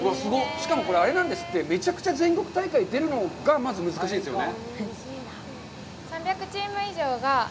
しかも、これ、あれなんですって、めちゃくちゃ全国大会出るのがまず難しいですよね。